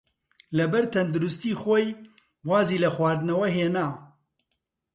لەبەر تەندروستیی خۆی وازی لە خواردنەوە هێنا.